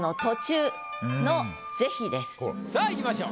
さあいきましょう。